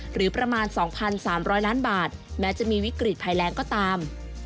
หรือประมาณ๒๓๐๐ล้านบาทแม้จะมีวิกฤตภัยแรงก็ตาม